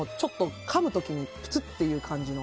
かむ時にぷつっという感じの。